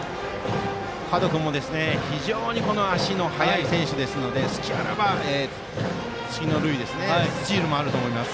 角君も足の速い選手なので隙あらば次の塁スチールもあると思います。